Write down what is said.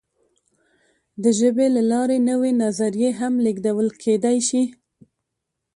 د ژبې له لارې نوې نظریې هم لېږدول کېدی شي.